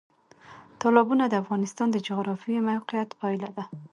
تالابونه د افغانستان د جغرافیایي موقیعت پایله ده.